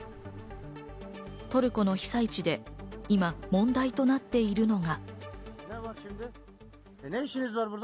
トルコの被災地で今、問題となっているのが。